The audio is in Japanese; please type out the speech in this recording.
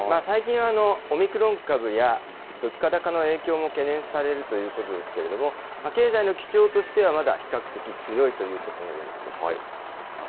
最近はオミクロン株や、物価高の影響も懸念されるということですけれども、経済の基調としては、まだ比較的強いということのようなんです。